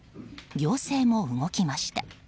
行政も動きました。